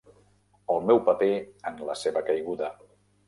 El meu paper en la seva caiguda.